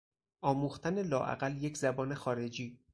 آموختن لااقل یک زبان خارجی